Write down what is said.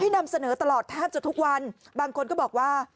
นำเสนอตลอดแทบจะทุกวันบางคนก็บอกว่า